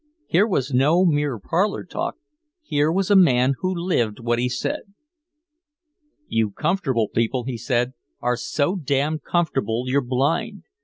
Here was no mere parlor talk, here was a man who lived what he said. "You comfortable people," he said, "are so damn comfortable you're blind.